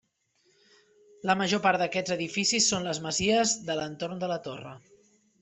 La major part d'aquests edificis són les masies de l'entorn de la Torre.